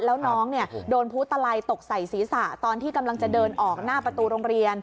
แล้วน้องโดนพุตลัยตกใส่ศีรษะตอนที่กำลังจะเดินออกหน้าประตูโรงเรียน